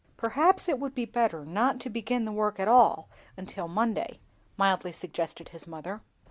"Perhaps it would be better not to begin the work at all until Monday," mildly suggested his mother.